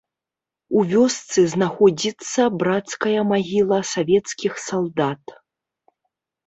У вёсцы знаходзіцца брацкая магіла савецкіх салдат.